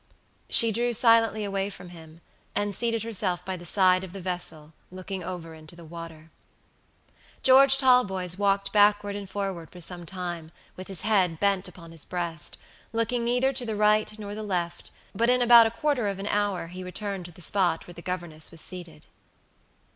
She drew silently away from him, and seated herself by the side of the vessel, looking over into the water. George Talboys walked backward and forward for some time, with his head bent upon his breast, looking neither to the right nor the left, but in about a quarter of an hour he returned to the spot where the governess was seated.